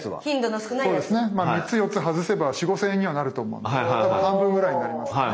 ３つ４つ外せば４，０００５，０００円にはなると思うのでたぶん半分ぐらいになりますよね。